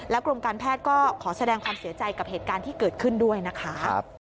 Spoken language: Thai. กรมการแพทย์ก็ขอแสดงความเสียใจกับเหตุการณ์ที่เกิดขึ้นด้วยนะคะ